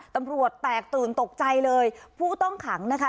ตำรวจแตกตื่นตกใจเลยผู้ต้องขังนะคะ